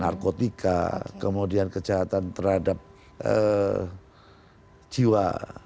narkotika kemudian kejahatan terhadap jiwa